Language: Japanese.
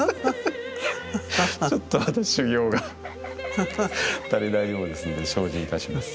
ちょっとまだ修行が足りないようですので精進いたします。